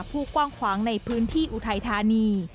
ผู้กว้างขวางในพื้นที่อุทัยธานี